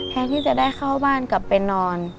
แทนที่จะได้เข้าบ้านกลับไปนอน